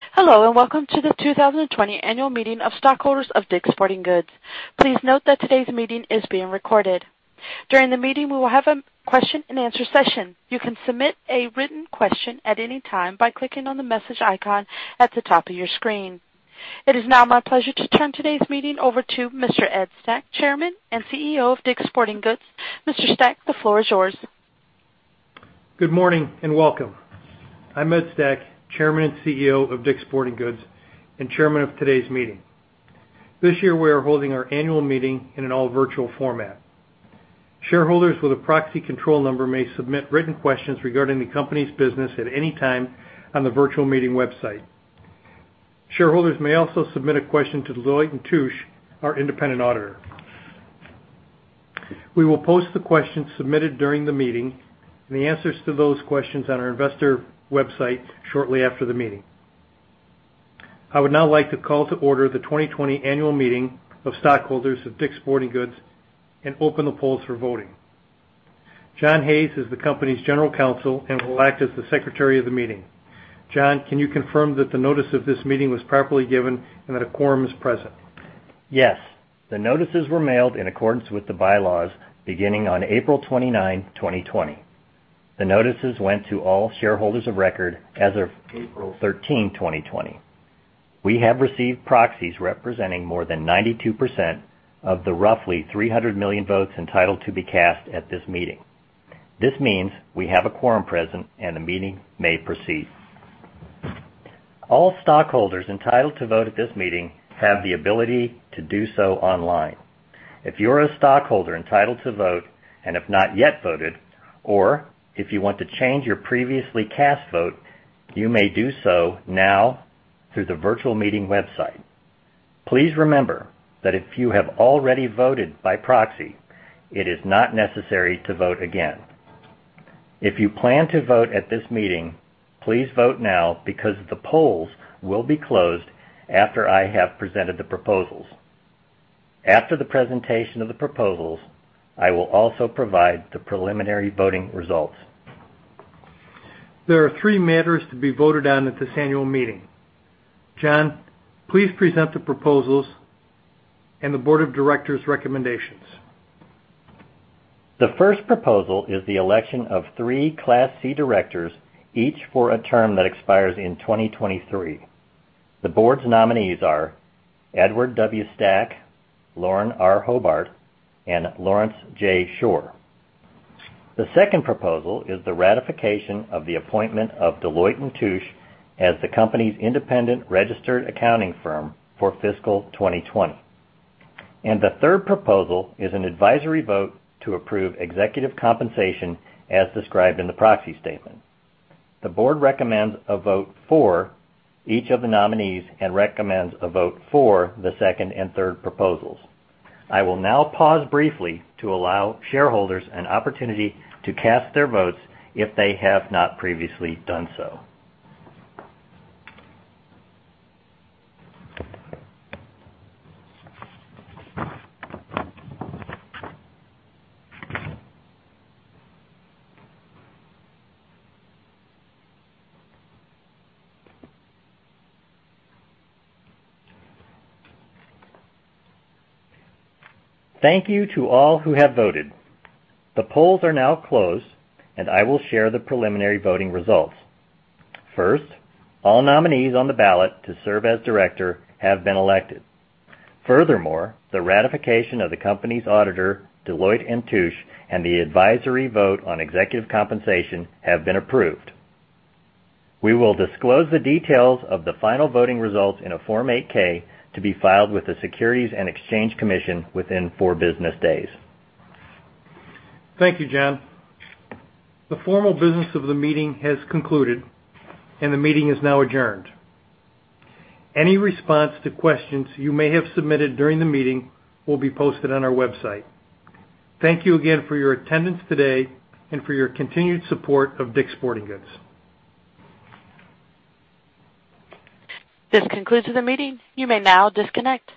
Hello, and welcome to the 2020 annual meeting of stockholders of DICK'S Sporting Goods. Please note that today's meeting is being recorded. During the meeting, we will have a Q&A session. You can submit a written question at any time by clicking on the message icon at the top of your screen. It is now my pleasure to turn today's meeting over to Mr. Ed Stack, Chairman and CEO of DICK'S Sporting Goods. Mr. Stack, the floor is yours. Good morning, and welcome. I'm Ed Stack, Chairman and CEO of DICK'S Sporting Goods, and Chairman of today's meeting. This year, we are holding our annual meeting in an all virtual format. Shareholders with a proxy control number may submit written questions regarding the company's business at any time on the virtual meeting website. Shareholders may also submit a question to Deloitte & Touche, our independent auditor. We will post the questions submitted during the meeting and the answers to those questions on our investor website shortly after the meeting. I would now like to call to order the 2020 annual meeting of stockholders of DICK'S Sporting Goods and open the polls for voting. John Hayes is the company's general counsel and will act as the secretary of the meeting. John, can you confirm that the notice of this meeting was properly given and that a quorum is present? Yes. The notices were mailed in accordance with the bylaws beginning on April 29, 2020. The notices went to all shareholders of record as of April 13, 2020. We have received proxies representing more than 92% of the roughly 300 million votes entitled to be cast at this meeting. This means we have a quorum present, and the meeting may proceed. All stockholders entitled to vote at this meeting have the ability to do so online. If you're a stockholder entitled to vote and have not yet voted, or if you want to change your previously cast vote, you may do so now through the virtual meeting website. Please remember that if you have already voted by proxy, it is not necessary to vote again. If you plan to vote at this meeting, please vote now because the polls will be closed after I have presented the proposals. After the presentation of the proposals, I will also provide the preliminary voting results. There are three matters to be voted on at this annual meeting. John, please present the proposals and the board of directors' recommendations. The first proposal is the election of three Class C directors, each for a term that expires in 2023. The board's nominees are Edward W. Stack, Lauren R. Hobart, and Lawrence J. Schorr. The second proposal is the ratification of the appointment of Deloitte & Touche as the company's independent registered accounting firm for fiscal 2020. The third proposal is an advisory vote to approve executive compensation as described in the proxy statement. The board recommends a vote for each of the nominees and recommends a vote for the second and third proposals. I will now pause briefly to allow shareholders an opportunity to cast their votes if they have not previously done so. Thank you to all who have voted. The polls are now closed, and I will share the preliminary voting results. First, all nominees on the ballot to serve as director have been elected. Furthermore, the ratification of the company's auditor, Deloitte & Touche, and the advisory vote on executive compensation have been approved. We will disclose the details of the final voting results in a Form 8-K to be filed with the Securities and Exchange Commission within four business days. Thank you, John. The formal business of the meeting has concluded, and the meeting is now adjourned. Any response to questions you may have submitted during the meeting will be posted on our website. Thank you again for your attendance today and for your continued support of DICK'S Sporting Goods. This concludes the meeting. You may now disconnect.